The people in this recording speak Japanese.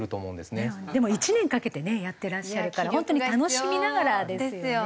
でも１年かけてねやっていらっしゃるから本当に楽しみながらですよね。